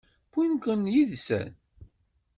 Wwin-ken yid-sen?